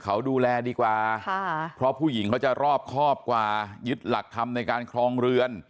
เขาดูแลดีกว่าค่ะเพราะผู้หญิงเขาจะรอบครอบกว่ายึดหลักธรรมในการครองเรือน